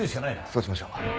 そうしましょう。